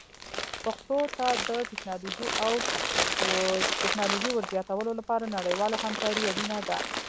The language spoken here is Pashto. پښتو ته د ټکنالوژۍ ور زیاتولو لپاره نړیواله همکاري اړینه ده.